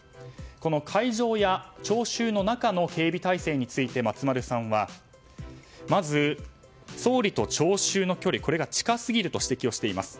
会場や聴衆の中の警備態勢について松丸さんはまず総理と聴衆の距離これが近すぎると指摘しています。